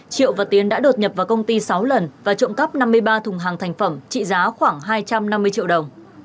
triệu và tiến đã đột nhập vào công ty sáu lần và trộm cắp năm mươi ba thùng hàng thành phẩm trị giá khoảng hai trăm năm mươi triệu đồng